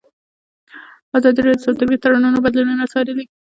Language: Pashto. ازادي راډیو د سوداګریز تړونونه بدلونونه څارلي.